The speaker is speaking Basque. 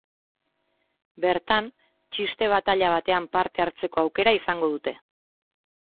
Bertan, txiste-bataila batean parte hartzeko aukera izango dute.